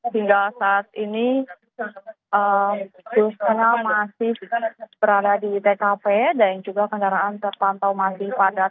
hingga saat ini bus tengah masih berada di tkp dan juga kendaraan terpantau masih padat